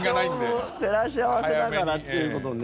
体調も照らし合わせながらっていうことね。